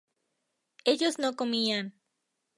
ellos no comían